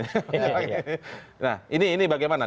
nah ini bagaimana